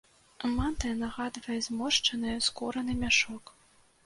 Мантыя нагадвае зморшчыны скураны мяшок.